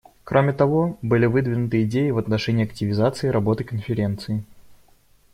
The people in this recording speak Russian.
Кроме того, были выдвинуты идеи в отношении активизации работы Конференции.